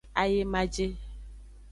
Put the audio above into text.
Ayemaje.